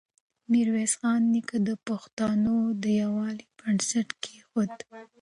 ميرويس خان نیکه د پښتنو د يووالي بنسټ کېښود.